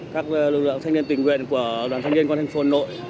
các lực lượng thanh niên tình nguyện của đoàn thanh niên con thành phố nội